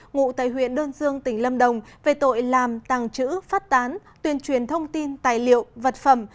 ngụ tại huyện đơn dương tỉnh lâm đồng về tội làm tàng trữ phát tán tuyên truyền thông tin tài liệu vật phẩm